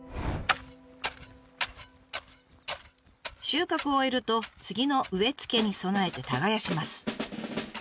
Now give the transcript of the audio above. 収穫を終えると次の植え付けに備えて耕します。